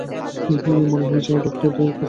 মনে হয়েছে, এই লোকটিকে দিয়ে কাজ ভুল।